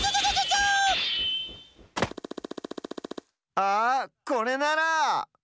あこれなら！